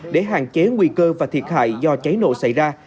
để hạn chế nguy cơ và thiệt hại do cháy nổ xảy ra